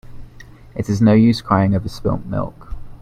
It is no use crying over spilt milk.